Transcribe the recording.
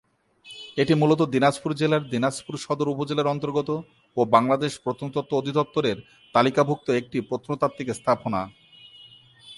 এটি মূলত দিনাজপুর জেলার দিনাজপুর সদর উপজেলার অন্তর্গত ও বাংলাদেশ প্রত্নতত্ত্ব অধিদপ্তর এর তালিকাভুক্ত একটি প্রত্নতাত্ত্বিক স্থাপনা।